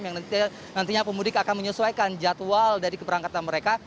yang nantinya pemudik akan menyesuaikan jadwal dari keberangkatan mereka